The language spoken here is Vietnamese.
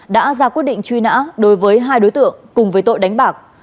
đã ra quyết định truy nã đối với hai đối tượng cùng với tội đánh bạc